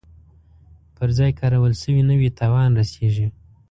پر ځای کارول شوي نه وي تاوان رسیږي.